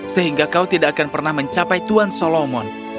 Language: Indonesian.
sehingga kau tidak akan pernah mencapai tuhan solomon